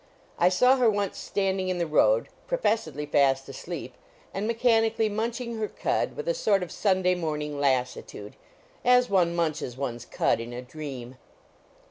I saw her once standing in the road, professedly fast asleep, and mechanically munching her cud with a sort of Sunday morning lassitude, as one munches one's cud in a dream.